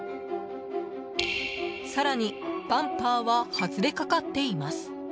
更にバンパーは外れかかっています。